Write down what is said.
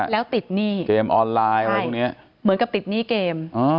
แล้วติดหนี้เกมออนไลน์อะไรพวกนี้เหมือนกับติดหนี้เกม